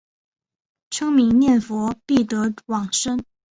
称名念佛必得往生。